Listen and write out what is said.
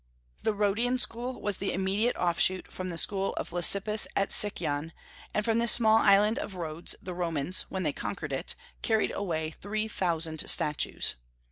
The Rhodian school was the immediate offshoot from the school of Lysippus at Sicyon; and from this small island of Rhodes the Romans, when they conquered it, carried away three thousand statues.